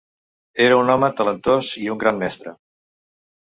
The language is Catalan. Era un home talentós i un gran mestre.